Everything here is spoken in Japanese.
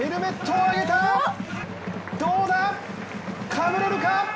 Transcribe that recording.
かぶれるか！